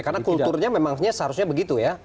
karena kulturnya memang seharusnya begitu ya